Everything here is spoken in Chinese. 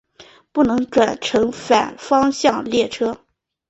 不能转乘反方向列车。